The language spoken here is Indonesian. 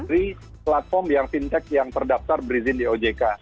dari platform yang fintech yang terdaftar berizin di ojk